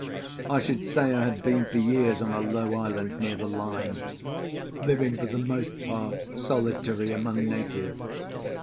I should say I had been for years on a low island near the line, living for the most part solitary among natives.